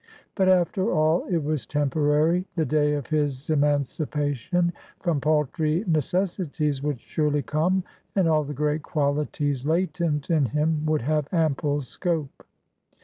But, after all, it was temporary; the day of his emancipation from paltry necessities would surely come, and all the great qualities latent in him would have ample scope.